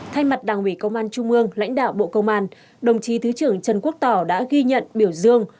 thay mặt đảng ủy công an trung ương lãnh đạo bộ công an đồng chí thứ trưởng trần quốc tỏ đã ghi nhận biểu dương